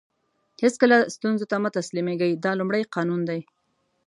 هیڅکله ستونزو ته مه تسلیم کېږئ دا لومړی قانون دی.